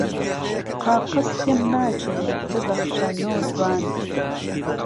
قاقهز پێم ناچێ ببهخشه نۆجوان